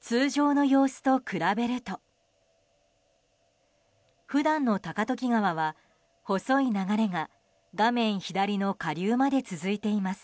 通常の様子と比べると普段の高時川は、細い流れが画面左の下流まで続いています。